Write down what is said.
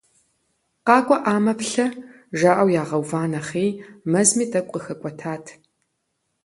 КъакӀуэӀамэ, плъэ, жаӀэу ягъэува нэхъей, мэзми тӀэкӀу къыхэкӀуэтат.